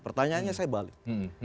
pertanyaannya saya balik